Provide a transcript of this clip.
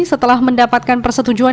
setelah mendapatkan persetujuan